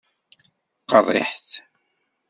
Qeṛṛiḥet.